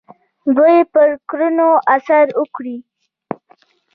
دوی پر کړنو اثر وکړي.